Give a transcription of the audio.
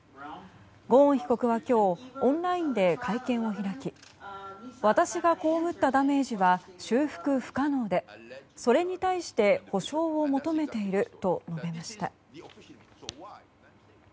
ゴーン被告は今日オンラインで会見を開き私が被ったダメージは修復不可能でそれに対して補償を求めていると述べました。